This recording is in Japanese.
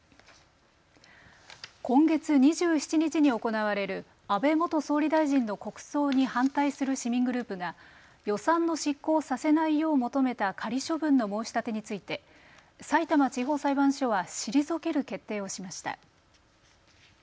今月２７日に行われる安倍元総理大臣の国葬に反対する市民グループが予算の執行をさせないよう求めた仮処分の申し立てについてさいたま地方裁判所は退ける決定をしました。